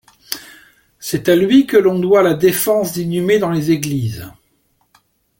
C'est à lui que l'on doit la défense d'inhumer dans les églises.